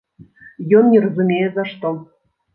Ён не разумее за што!